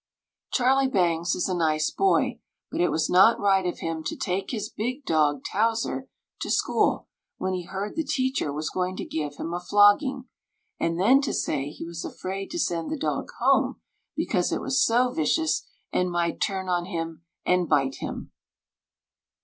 Charley Bangs is a nice boy, but it was not right of him to take his big dog Towser to school when he heard the teacher was going to give him a flogging And then to say he was afraid to send the dog home because it was so vicious, and might turn on him, and bite him!